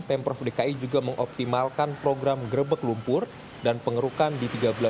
pemprov dki juga mengoptimalkan program grebek lumpur dan pengerukan di tiga belas